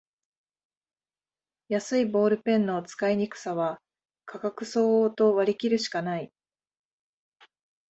安いボールペンの使いにくさは価格相応と割りきるしかない